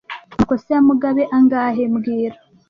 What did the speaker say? Amakosa ya Mugabe angahe mbwira